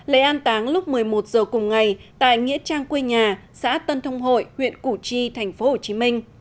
lễ an táng lúc một mươi một h cùng ngày tại nghĩa trang quê nhà xã tân thông hội huyện củ chi tp hcm